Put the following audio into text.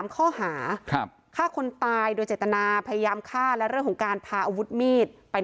๓ข้อหาครับค่าคนตายโดยใจตนาพยายามฆ่าแล้วเรื่องของการพาอาวุธมีดไปในที่